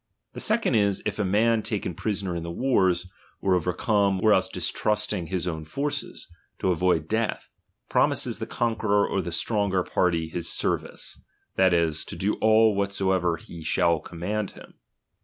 The second is, if a man taken I*risoner in the wars, or overcome, or else distrust ig his own forces, to avoid death, promises the *ionqueror or the stronger party his .tervlce, that 1, to do all whatsoever he shall command him.